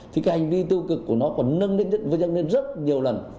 thì cái hành vi tư cực của nó còn nâng lên rất nhiều lần